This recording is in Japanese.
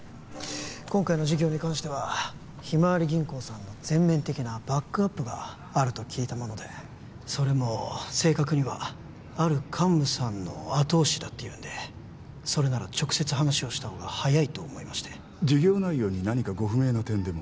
今回の事業に関してはひまわり銀行さんの全面的なバックアップがあると聞いたものでそれも正確にはある幹部さんの後押しだっていうんでそれなら直接話をした方が早いと思いまして事業内容に何かご不明な点でも？